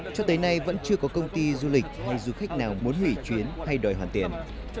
cho tới nay vẫn chưa có công ty du lịch hay du khách nào muốn hủy chuyến hay đòi hoàn tiền